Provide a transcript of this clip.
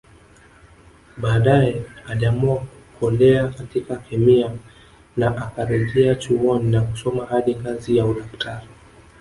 Baadae aliamua kukolea katika kemia na akarejea chuoni na kusoma hadi ngazi ya udaktari